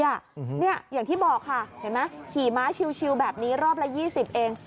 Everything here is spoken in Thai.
อย่างที่บอกค่ะเห็นไหมขี่ม้าชิวแบบนี้รอบละ๒๐เอง